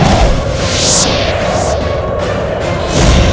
amin ya rukh alamin